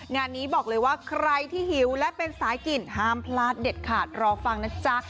งานนี้บอกเลยว่าใครที่หิวและเป็นสายกินห้ามพลาดเด็ดขาดรอฟังนะจ๊ะ